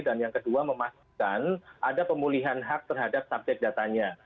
dan yang kedua memastikan ada pemulihan hak terhadap subjek datanya